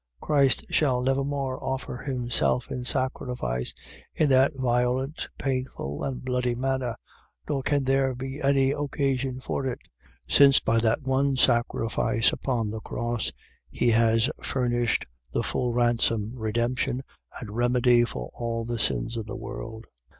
. .Christ shall never more offer himself in sacrifice, in that violent, painful, and bloody manner, nor can there be any occasion for it: since by that one sacrifice upon the cross, he has furnished the full ransom, redemption, and remedy for all the sins of the world.